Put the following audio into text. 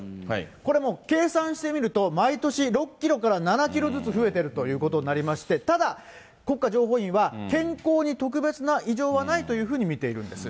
これもう計算してみると、毎年６キロから７キロずつ増えてるということになりまして、ただ、国家情報院は、健康に特別な異常はないというふうに見ているんです。